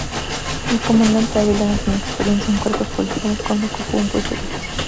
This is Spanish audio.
El comandante Ávila no tenía experiencia en cuerpos policiales cuando ocupó un puesto difícil.